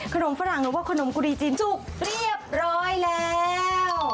ขนมฝรั่งว่าขนมกุรีจีนสุกเรียบร้อยแล้ว